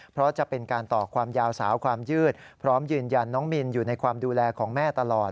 เพราะจะเป็นการต่อความยาวสาวความยืดพร้อมยืนยันน้องมินอยู่ในความดูแลของแม่ตลอด